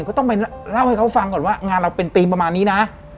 ก็ต้องไปเล่าให้เขาฟังก่อนว่างานเราเป็นธีมประมาณนี้นะ